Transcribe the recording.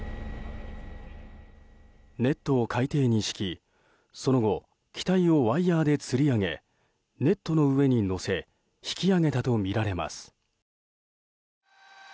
ネットを海底に敷きその後、機体をワイヤでつり上げネットの上に載せ引き揚げたとみられます。